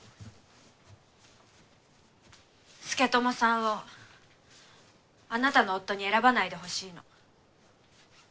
佐智さんをあなたの夫に選ばないでほしいの。